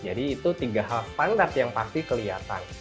jadi itu tiga hal standar yang pasti kelihatan